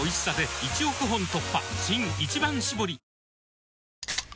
新「一番搾り」